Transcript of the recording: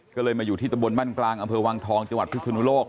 ก็เลยมาอยู่ที่ตะบนบ้านกลางอำเภอวังทองจังหวัดพิศนุโลก